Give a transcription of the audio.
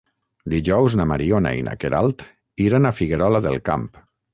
Dijous na Mariona i na Queralt iran a Figuerola del Camp.